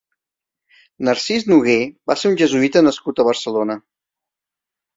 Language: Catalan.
Narcís Noguer va ser un jesuïta nascut a Barcelona.